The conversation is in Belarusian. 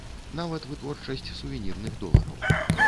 І нават вытворчасць сувенірных долараў.